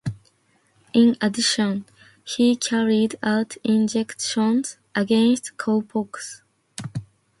In addition, he carried out injections against cowpox.